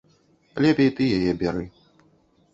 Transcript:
Лепей ты яе бяры.